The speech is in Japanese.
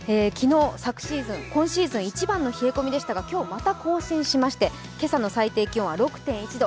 昨日、今シーズン一番の冷え込みでしたが今日また更新しまして今朝の最低気温は６．１度。